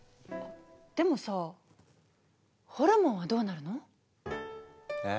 でもさホルモンはどうなるの？え？